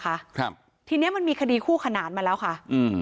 ครับทีเนี้ยมันมีคดีคู่ขนานมาแล้วค่ะอืม